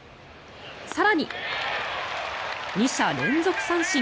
更に２者連続三振。